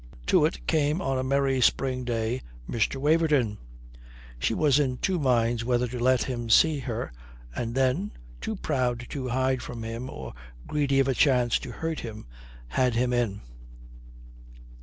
To it came on a merry spring day Mr. Waverton. She was in two minds whether to let him see her, and then too proud to hide from him or greedy of a chance to hurt him had him in.